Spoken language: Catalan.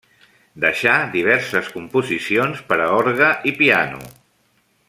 Deixà diverses composicions per a orgue i piano.